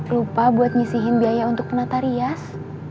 lupa buat ngisiin biaya untuk penata rias